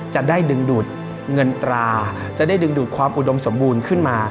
จะได้ดึงดูดเงินตราจะได้ดึงดูดความอุดมสมบูรณ์ขึ้นมา